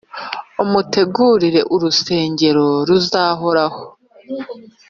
amutegurira urusengero ruzahoraho.